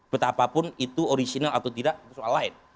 betapapun itu original atau tidak itu soal lain